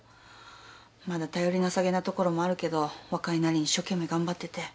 まだ頼りなさげなところもあるけど若いなりに一生懸命頑張ってて。